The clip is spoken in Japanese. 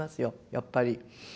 やっぱり。